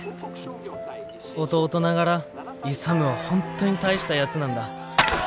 弟ながら勇は本当に大したやつなんだ。